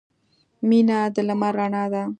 • مینه د لمر رڼا ده.